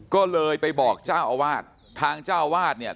ก็เลยไปบอกเจ้าอาวาสทางเจ้าวาดเนี่ย